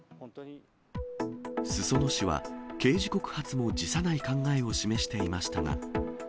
裾野市は、刑事告発も辞さない考えを示していましたが。